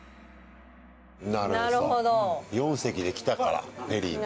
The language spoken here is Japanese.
４隻で来たからペリーが。